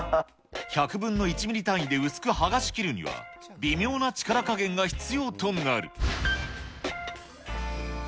１００分の１ミリ単位で薄く剥がし切るには、微妙な力加減が必要となる。